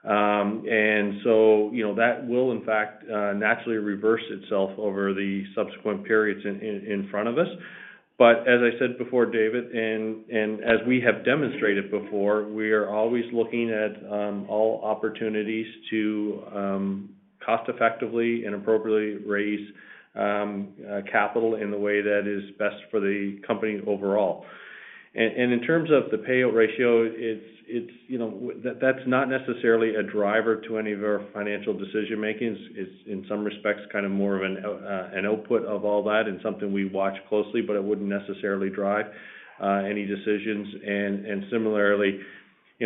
You know, that will in fact naturally reverse itself over the subsequent periods in front of us. As I said before, David, as we have demonstrated before, we are always looking at all opportunities to cost effectively and appropriately raise capital in the way that is best for the company overall. In terms of the payout ratio, it's, you know, that's not necessarily a driver to any of our financial decision-makings. It's, in some respects, kind of more of an output of all that and something we watch closely, but it wouldn't necessarily drive any decisions. Similarly, you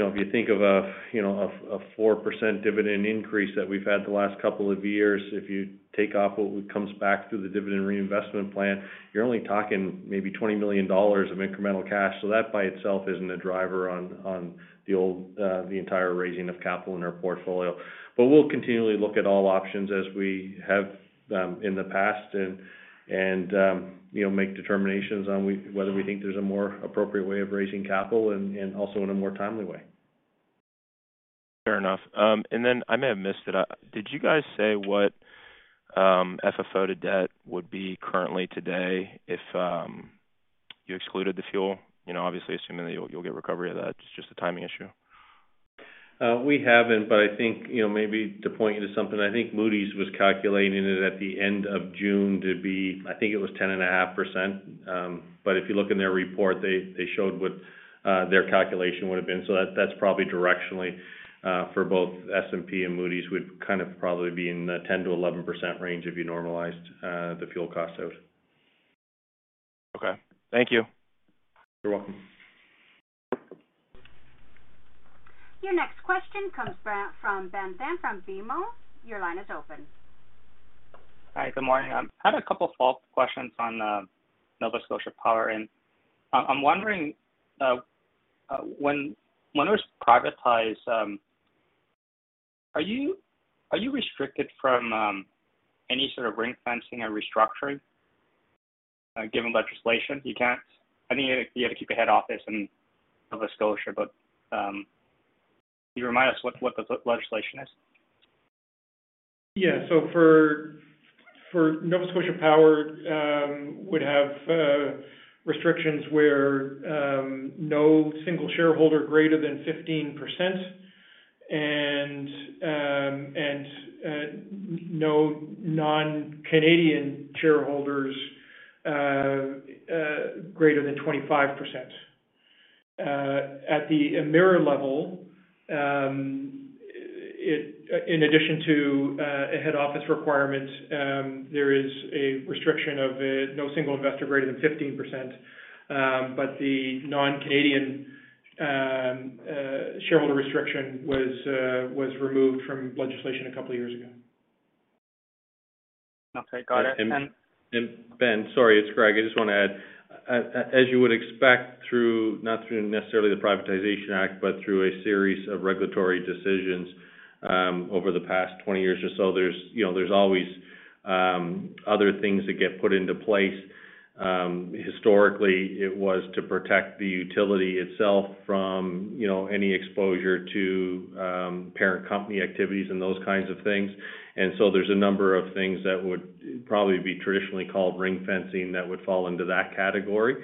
know, if you think of a, you know, a 4% dividend increase that we've had the last couple of years, if you take off what comes back through the dividend reinvestment plan, you're only talking maybe 20 million dollars of incremental cash. That by itself isn't a driver of the entire raising of capital in our portfolio. We'll continually look at all options as we have in the past and you know, make determinations on whether we think there's a more appropriate way of raising capital and also in a more timely way. Fair enough. I may have missed it. Did you guys say what FFO to debt would be currently today if you excluded the fuel? You know, obviously assuming that you'll get recovery of that, it's just a timing issue. We haven't, but I think, you know, maybe to point you to something, I think Moody's was calculating it at the end of June to be, I think it was 10.5%. But if you look in their report, they showed what their calculation would have been. That's probably directionally for both S&P and Moody's would kind of probably be in the 10%-11% range if you normalized the fuel costs out. Okay. Thank you. You're welcome. Your next question comes from Ben Pham from BMO. Your line is open. Hi. Good morning. I had a couple follow-up questions on Nova Scotia Power. I'm wondering when it was privatized, are you restricted from any sort of ring-fencing or restructuring given legislation? You can't. I think you had to keep your head office in Nova Scotia, but could you remind us what the legislation is? Yeah. For Nova Scotia Power would have restrictions where no single shareholder greater than 15% and no non-Canadian shareholders greater than 25%. At the Emera level, in addition to a head office requirement, there is a restriction of no single investor greater than 15%. The non-Canadian shareholder restriction was removed from legislation a couple of years ago. Okay, got it. Ben, sorry, it's Greg. I just want to add, as you would expect through not through necessarily the Privatization Act, but through a series of regulatory decisions, over the past 20 years or so, there's always, you know, other things that get put into place. Historically, it was to protect the utility itself from, you know, any exposure to, parent company activities and those kinds of things. There's a number of things that would probably be traditionally called ring-fencing that would fall into that category,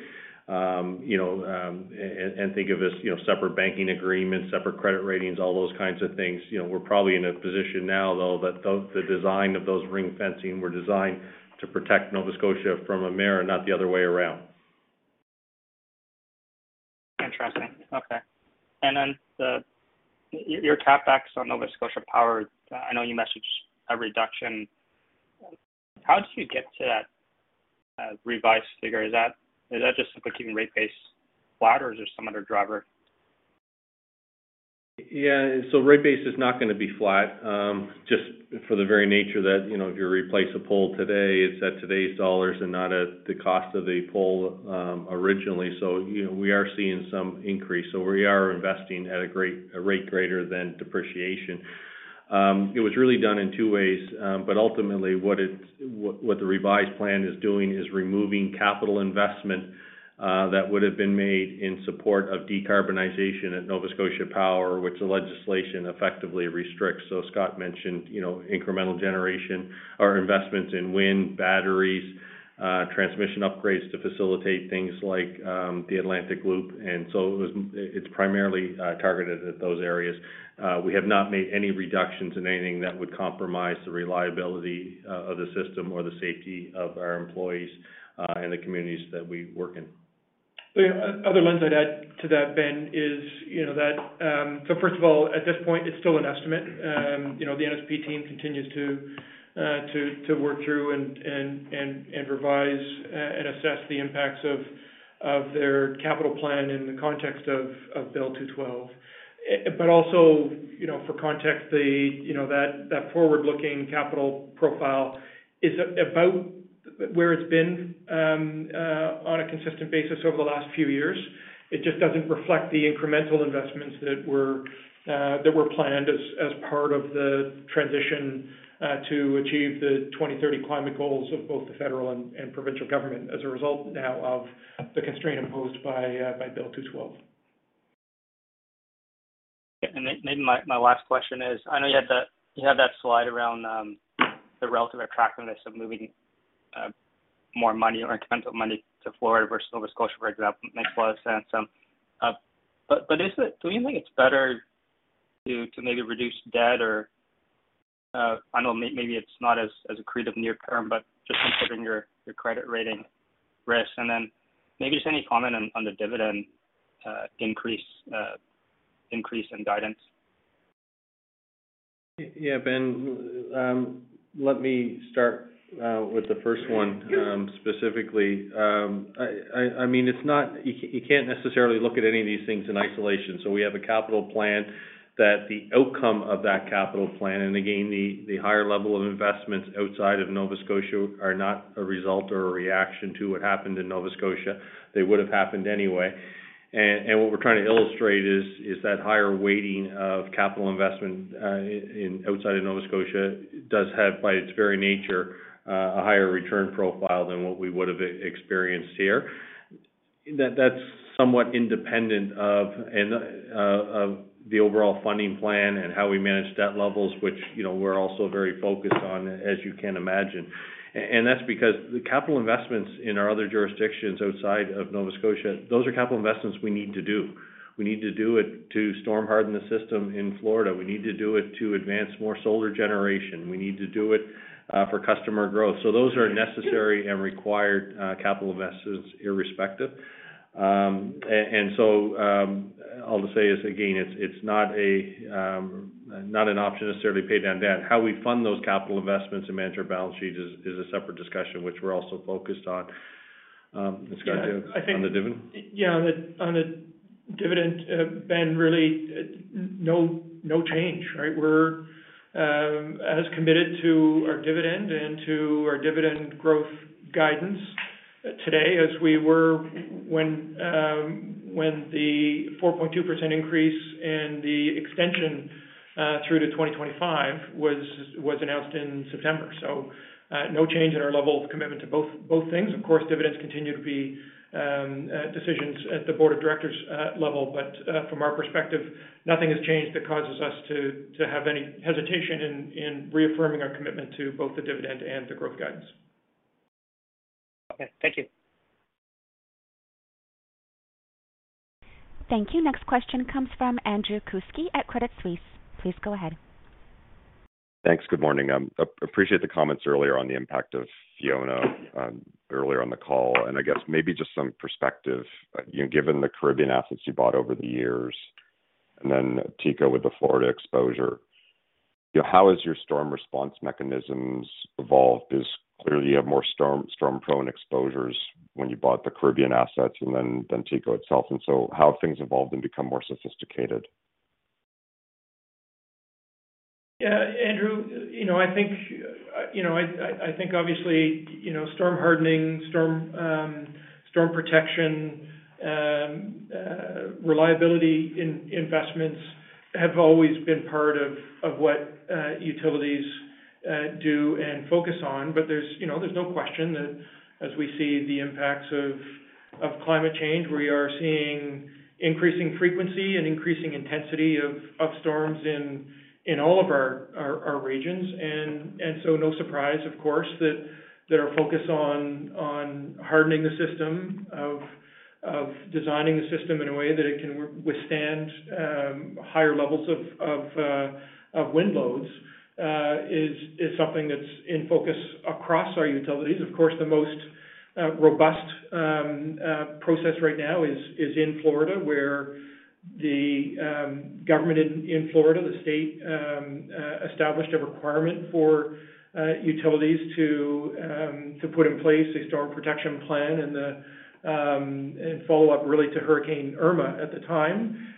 and think of as, you know, separate banking agreements, separate credit ratings, all those kinds of things. You know, we're probably in a position now though, that the design of those ring-fencing were designed to protect Nova Scotia from Emera, not the other way around. Interesting. Okay. Your CapEx on Nova Scotia Power, I know you mentioned a reduction. How did you get to that revised figure? Is that just keeping rate base flat, or is there some other driver? Yeah, rate base is not gonna be flat, just for the very nature that, you know, if you replace a pole today, it's at today's dollars and not at the cost of a pole originally. You know, we are seeing some increase. We are investing at a rate greater than depreciation. It was really done in two ways. Ultimately, what the revised plan is doing is removing capital investment that would've been made in support of decarbonization at Nova Scotia Power, which the legislation effectively restricts. Scott mentioned, you know, incremental generation or investments in wind, batteries, transmission upgrades to facilitate things like the Atlantic Loop. It's primarily targeted at those areas. We have not made any reductions in anything that would compromise the reliability of the system or the safety of our employees and the communities that we work in. The other lens I'd add to that, Ben, is, you know, that. First of all, at this point, it's still an estimate. You know, the NSP team continues to work through and revise and assess the impacts of their capital plan in the context of Bill 212. Also, you know, for context, that forward-looking capital profile is about where it's been on a consistent basis over the last few years. It just doesn't reflect the incremental investments that were planned as part of the transition to achieve the 2030 climate goals of both the federal and provincial government as a result now of the constraint imposed by Bill 212. Maybe my last question is, I know you had that slide around the relative attractiveness of moving more money or capital money to Florida versus Nova Scotia, for example. It makes a lot of sense. Do you think it's better to maybe reduce debt? I know maybe it's not as accretive near term, but just considering your credit rating risk. Maybe just any comment on the dividend increase in guidance. Yeah. Ben, let me start with the first one specifically. I mean, it's not. You can't necessarily look at any of these things in isolation. We have a capital plan that the outcome of that capital plan, and again, the higher level of investments outside of Nova Scotia are not a result or a reaction to what happened in Nova Scotia. They would've happened anyway. What we're trying to illustrate is that higher weighting of capital investment in outside of Nova Scotia does have, by its very nature, a higher return profile than what we would've experienced here. That's somewhat independent of and of the overall funding plan and how we manage debt levels, which, you know, we're also very focused on, as you can imagine. That's because the capital investments in our other jurisdictions outside of Nova Scotia, those are capital investments we need to do. We need to do it to storm harden the system in Florida. We need to do it to advance more solar generation. We need to do it for customer growth. Those are necessary and required capital investments irrespective. All to say is, again, it's not an option necessarily to pay down debt. How we fund those capital investments and manage our balance sheet is a separate discussion, which we're also focused on. Scott, on the dividend? Yeah. On the dividend, Ben, really no change, right? We're as committed to our dividend and to our dividend growth guidance today as we were when the 4.2% increase and the extension through to 2025 was announced in September. No change in our level of commitment to both things. Of course, dividends continue to be decisions at the board of directors level. From our perspective, nothing has changed that causes us to have any hesitation in reaffirming our commitment to both the dividend and the growth guidance. Okay. Thank you. Thank you. Next question comes from Andrew Kuske at Credit Suisse. Please go ahead. Thanks. Good morning. Appreciate the comments earlier on the impact of Fiona earlier on the call. I guess maybe just some perspective. You know, given the Caribbean assets you bought over the years and then TECO with the Florida exposure, you know, how has your storm response mechanisms evolved? Because clearly, you have more storm-prone exposures when you bought the Caribbean assets and then TECO itself. How have things evolved and become more sophisticated? Yeah. Andrew, you know, I think, you know, obviously, you know, storm hardening, storm protection, reliability in investments have always been part of what utilities do and focus on. There's, you know, no question that as we see the impacts of climate change, we are seeing increasing frequency and increasing intensity of storms in all of our regions. No surprise, of course, that there are focus on hardening the system of designing the system in a way that it can withstand higher levels of wind loads is something that's in focus across our utilities. Of course, the most robust process right now is in Florida, where the government in Florida, the state, established a requirement for utilities to put in place a Storm Protection Plan. The follow-up really to Hurricane Irma at the time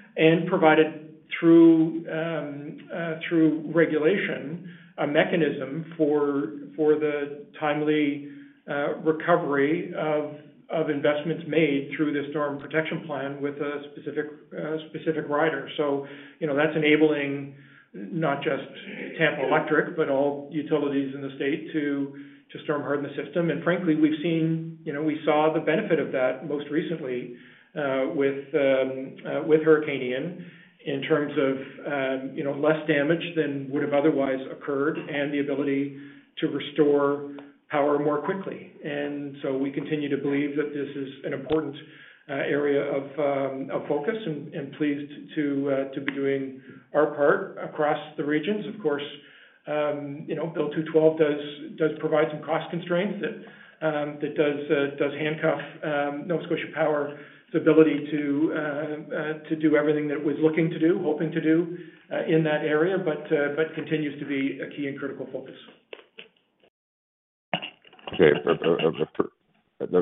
provided through regulation a mechanism for the timely recovery of investments made through the Storm Protection Plan with a specific rider. You know, that's enabling not just Tampa Electric, but all utilities in the state to storm-harden the system. Frankly, you know, we saw the benefit of that most recently with Hurricane Ian in terms of, you know, less damage than would have otherwise occurred and the ability to restore power more quickly. We continue to believe that this is an important area of focus and pleased to be doing our part across the regions. Of course, you know, Bill 212 does provide some cost constraints that does handcuff Nova Scotia Power's ability to do everything that it was looking to do, hoping to do, in that area, but continues to be a key and critical focus. Okay.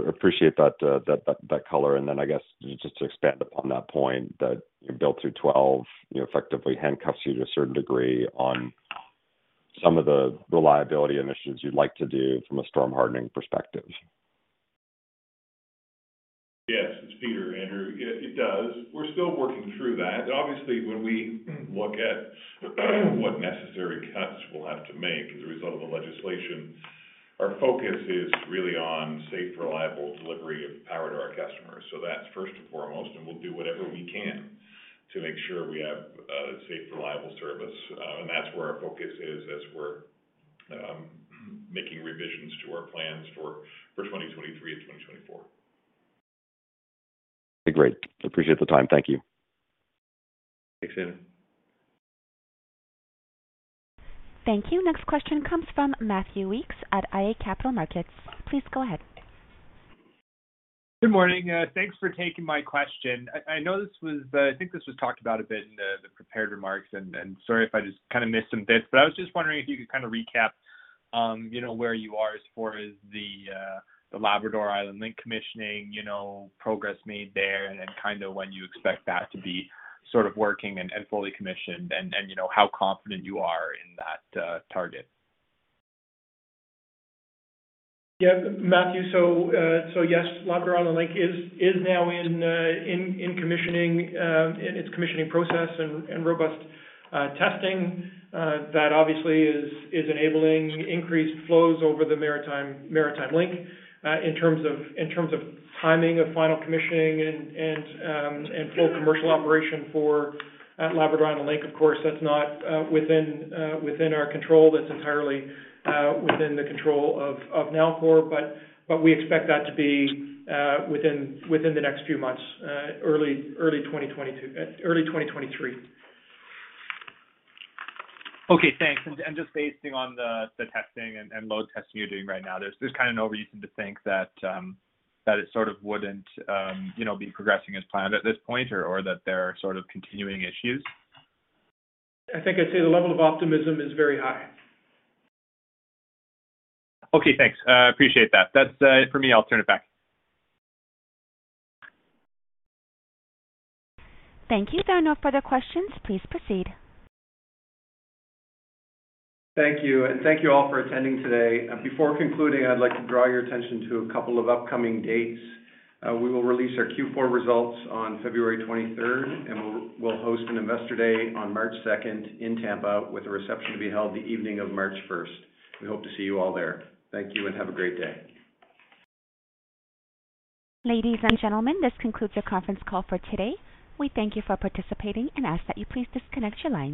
Appreciate that color. Then I guess just to expand upon that point that Bill 212, you know, effectively handcuffs you to a certain degree on some of the reliability initiatives you'd like to do from a storm hardening perspective. Yes, it's Peter. Andrew. It does. We're still working through that. Obviously, when we look at what necessary cuts we'll have to make as a result of the legislation, our focus is really on safe, reliable delivery of power to our customers. That's first and foremost, and we'll do whatever we can to make sure we have safe, reliable service. That's where our focus is as we're making revisions to our plans for 2023 and 2024. Okay, great. Appreciate the time. Thank you. Thanks, Andrew. Thank you. Next question comes from Matthew Weekes at iA Capital Markets. Please go ahead. Good morning. Thanks for taking my question. I know this was talked about a bit in the prepared remarks, and sorry if I just kind of missed some bits. I was just wondering if you could kind of recap, you know, where you are as far as the Labrador-Island Link commissioning, you know, progress made there and then kind of when you expect that to be sort of working and fully commissioned and you know, how confident you are in that target? Matthew. Yes, Labrador-Island Link is now in its commissioning process and robust testing that obviously is enabling increased flows over the Maritime Link. In terms of timing of final commissioning and full commercial operation for Labrador-Island Link, of course, that's not within our control. That's entirely within the control of Nalcor. We expect that to be within the next few months, early 2023. Okay, thanks. Just based on the testing and load testing you're doing right now, there's kind of no reason to think that it sort of wouldn't you know be progressing as planned at this point or that there are sort of continuing issues? I think I'd say the level of optimism is very high. Okay, thanks. Appreciate that. That's it for me. I'll turn it back. Thank you. There are no further questions. Please proceed. Thank you. Thank you all for attending today. Before concluding, I'd like to draw your attention to a couple of upcoming dates. We will release our Q4 results on February 23rd, and we'll host an Investor Day on March 2nd in Tampa, with a reception to be held the evening of March 1st. We hope to see you all there. Thank you and have a great day. Ladies and gentlemen, this concludes your conference call for today. We thank you for participating and ask that you please disconnect your lines.